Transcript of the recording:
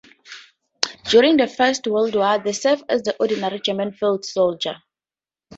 During the First World War he served as an ordinary German field-soldier.